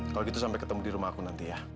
kalau gitu sampai ketemu di rumah aku nanti ya